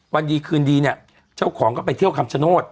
วันดีคืนดีเนี่ยเจ้าของก็ไปเที่ยวคำชโนธ